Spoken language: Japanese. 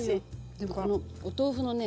でもこのお豆腐のね